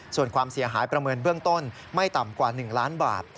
ส่วนความเสียหายประเมินเบื้องต้นไม่ต่ำกว่า๑ล้านบาท